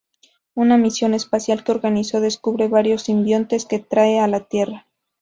Una misión espacial que organizó descubre varios simbiontes que trae a la Tierra.